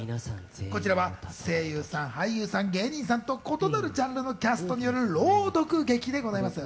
こちらは声優さん、俳優さん、芸人さんと異なるジャンルの方による朗読劇です。